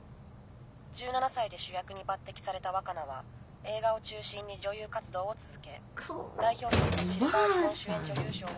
１７歳で主役に抜てきされた若菜は映画を中心に女優活動を続け代表作はシルバーリボン主演女優賞を。